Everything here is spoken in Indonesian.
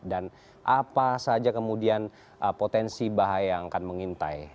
dan apa saja kemudian potensi bahaya yang akan mengintai